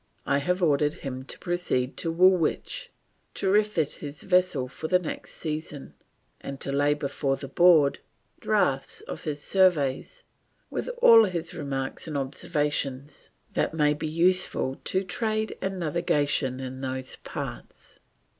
I have ordered him to proceed to Woolwich to refit his vessel for the next season, and to lay before the Board, Draughts of his surveys with all his remarks and observations that may be useful to Trade and Navigation in those parts."